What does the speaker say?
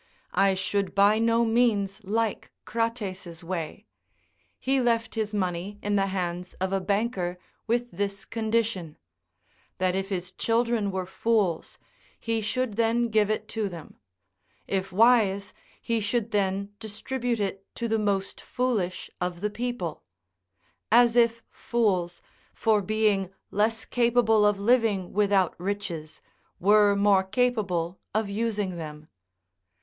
I should by no means like Crates' way. He left his money in the hands of a banker with this condition that if his children were fools, he should then give it to them; if wise, he should then distribute it to the most foolish of the people; as if fools, for being less capable of living without riches, were more capable of using them.